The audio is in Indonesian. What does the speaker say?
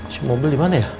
si mobil dimana ya